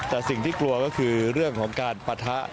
แต่สิ่งที่กลัวก็คือเรื่องของการปะทะ